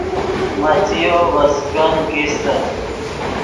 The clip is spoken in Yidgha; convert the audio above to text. مڅیو ڤے څیکن کیستے